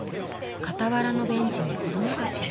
傍らのベンチに子どもたち。